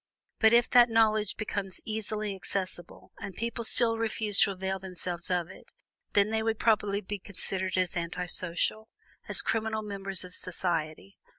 But if that knowledge became easily accessible, and people still refused to avail themselves of it, then they would properly be considered as anti social, as criminal members of society.